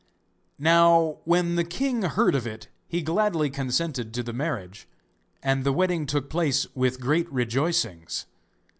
Now when the king heard of it he gladly consented to the marriage, and the wedding took place with great rejoicings.